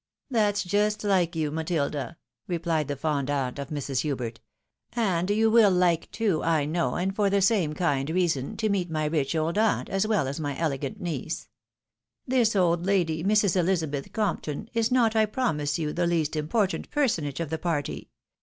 " That's just like you, Matilda," replied the fond aunt of Mrs. Plubert ;" and you will like too, I know, and for the same kind reason, to meet my rich old aunt, as well as my elegant niece. This old lady, Mrs. Elizabeth Compton, is not, I pro mise you, the least important personage of the party.